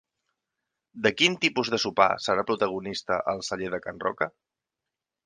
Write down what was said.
De quin tipus de sopar serà protagonista el Celler de Can Roca?